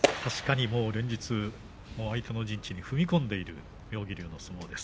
連日、相手の陣地に踏み込んでいる妙義龍の相撲です。